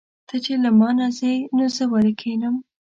ته چې له مانه ځې نو زه ولې کښېنم.